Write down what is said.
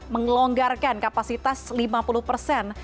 melonggarkan kapasitas lima puluh persen